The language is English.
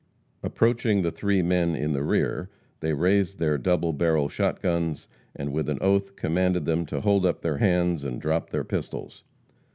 Approaching the three men in the rear, they raised their double barrel shot guns, and with an oath commanded them to hold up their hands and drop their pistols.